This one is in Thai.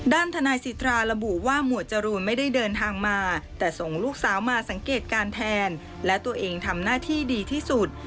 ด้านทนายสิทธาระบุว่าหมวดจรูนไม่ได้เดินทางมาแต่ส่งลูกสาวมาสังเกตการแทนและตัวเองทำหน้าที่ดีที่สุด